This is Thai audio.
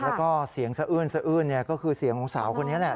แล้วก็เสียงสะอื้นสะอื้นก็คือเสียงของสาวคนนี้แหละ